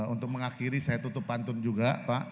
untuk mengakhiri saya tutup pantun juga pak